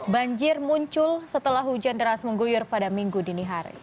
banjir muncul setelah hujan deras mengguyur pada minggu dini hari